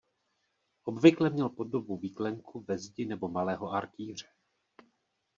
Obvykle měl podobu výklenku ve zdi nebo malého arkýře.